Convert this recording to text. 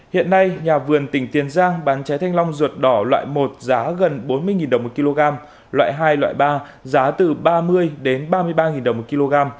hiện nay nhà vườn tỉnh tiền giang bán trái thanh long ruột đỏ loại một giá gần bốn mươi đồng một kg loại hai loại ba giá từ ba mươi đến ba mươi ba đồng một kg